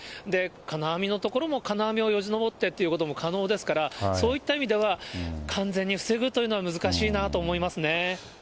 金網のところも金網をよじ登ってということも可能ですから、そういった意味では、完全に防ぐというのは難しいなと思いますね。